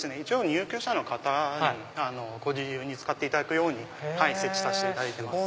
入居者の方にご自由に使っていただくように設置させていただいてます。